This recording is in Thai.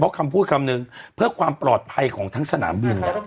เพราะคำพูดคำนึงเพื่อความปลอดภัยของทั้งสนามบิน